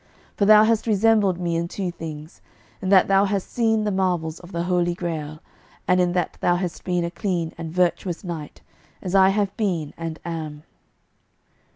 For thou hast resembled me in two things, in that thou hast seen the marvels of the Holy Grail, and in that thou hast been a clean and virtuous knight, as I have been and am."